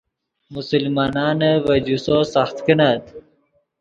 مسلمانانے ڤے جوسو سخت کینت